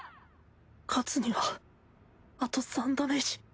勝つにはあと３ダメージ。